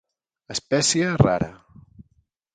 Espècie rara.